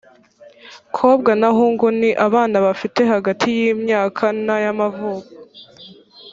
kobwa na hungu ni abana bafite hagati y imyaka na y amavuko